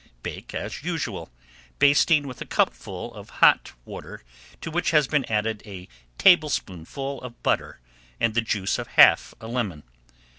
Bake as usual, basting with a cupful of hot water to which has been added a tablespoonful of butter and the juice of half a lemon.